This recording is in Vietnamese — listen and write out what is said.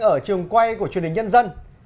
ở trường quay của truyền hình nhân dân